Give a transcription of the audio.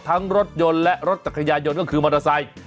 รถยนต์และรถจักรยานยนต์ก็คือมอเตอร์ไซค์